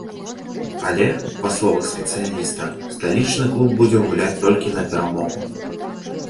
Але, па словах спецыяліста, сталічны клуб будзе гуляць толькі на перамогу.